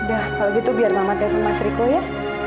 udah kalau gitu biar mama telepon mas riko ya